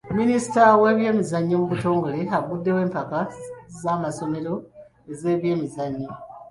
Minisita w'ebyemizannyo mu butongole aguddewo empaka z'amasomero ez'ebyemizannyo.